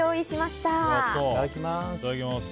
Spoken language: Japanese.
いただきます。